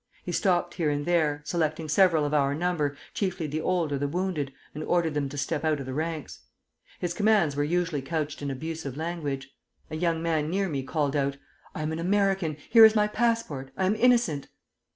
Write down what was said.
He stopped here and there, selecting several of our number, chiefly the old or the wounded, and ordered them to step out of the ranks. His commands were usually couched in abusive language. A young man near me called out, 'I am an American. Here is my passport. I am innocent.'